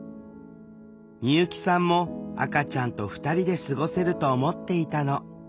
美由紀さんも赤ちゃんと２人で過ごせると思っていたの。